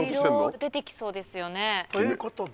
いろいろ出てきそうですよね。ということで。